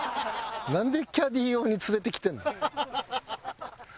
なんでキャディー用に連れてきてんの？